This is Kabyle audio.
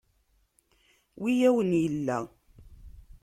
Wi awen-illa?